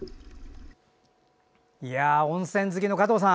温泉好きの加藤さん